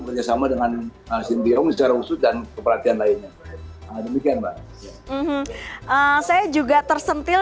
kerjasama dengan sintayong secara usut dan keperhatian lainnya demikian saya juga tersentil